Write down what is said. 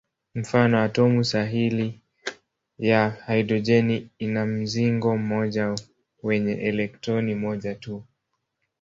Mfano: atomu sahili ya hidrojeni ina mzingo mmoja wenye elektroni moja tu.